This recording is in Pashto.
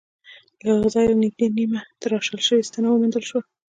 له هغه ځای سره نږدې نیمه تراشل شوې ستنه وموندل شوه.